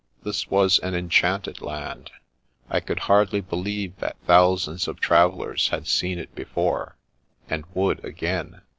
This was an enchanted land. I could hardly believe that thousands of travellers had seen it before, and would again.